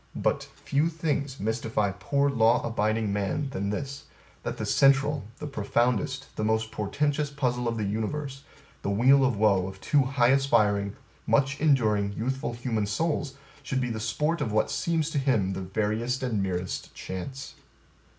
But, But, Few things mystify poor law abiding man than this, that the central, the profoundest, the most portentous puzzle of the universe the weal of woe of two high aspiring, much enduring, youthful human souls, should be the sport of what seems to him the veriest and merest chance.